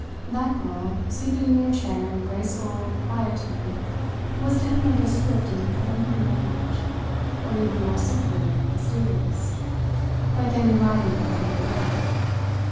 That girl, seated in her chair in graceful quietude, was to him like a script in an unknown language, or even more simply mysterious, like any writing to the illiterate.